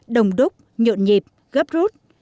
đồng đúc nhộn nhịp gấp rút